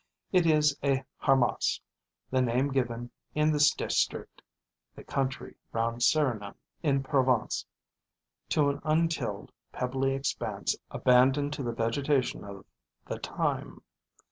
It is a harmas, the name given, in this district [the country round Serignan, in Provence], to an untilled, pebbly expanse abandoned to the vegetation of the thyme.